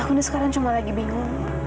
aku udah sekarang cuma lagi bingung